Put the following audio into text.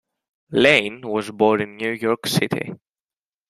Lane was born in New York City.